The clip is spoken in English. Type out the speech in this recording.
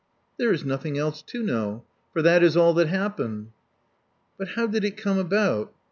There is nothing else to know; for that is all that happened." But how did it come about?"